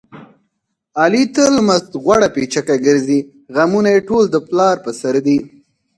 علي تل مست غوړه پیچکه ګرځي. غمونه یې ټول د پلار په سر دي.